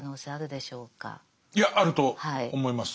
いやあると思います。